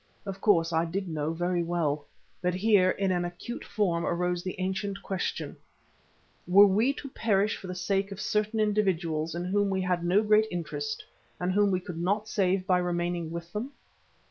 Of course I did know very well, but here, in an acute form, arose the ancient question: Were we to perish for the sake of certain individuals in whom we had no great interest and whom we could not save by remaining with them?